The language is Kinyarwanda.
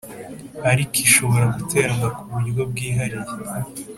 Ariko ishobora guterana ku buryobwihariye